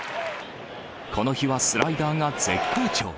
この日はスライダーが絶好調。